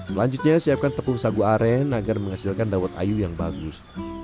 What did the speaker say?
selanjutnya siapkan tepung sagu aren agar menghasilkan dawet ayu yang bagus